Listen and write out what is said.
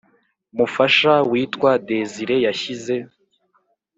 mufasha witwa Desire yashyize